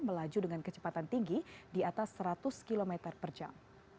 melaju dengan kecepatan tinggi di atas seratus km per jam